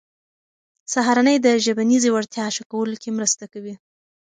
سهارنۍ د ژبنیزې وړتیا ښه کولو کې مرسته کوي.